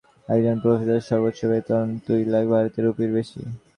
ভারতে বর্তমানে বিশ্ববিদ্যালয়ের একজন প্রফেসরের সর্বোচ্চ বেতন দুই লাখ ভারতীয় রুপিরও বেশি।